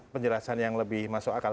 penjelasan yang lebih masuk akal